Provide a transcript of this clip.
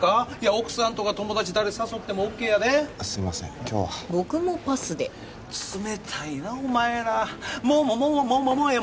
奥さんとか友達誰誘ってもＯＫやですいません今日は僕もパスで冷たいなお前らもうもうもうええ